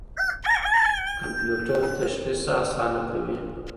کمپيوټر تشخيص آسانه کوي.